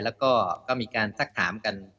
แล้วก็มีการซักถามกัน